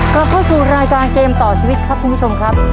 กลับเข้าสู่รายการเกมต่อชีวิตครับคุณผู้ชมครับ